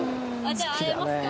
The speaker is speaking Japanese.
じゃあ会えますか？